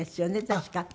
確か。